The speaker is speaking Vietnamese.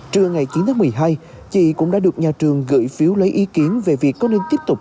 trưa ngày chín tháng một mươi hai chị cũng đã được nhà trường gửi phiếu lấy ý kiến về việc có nên tiếp tục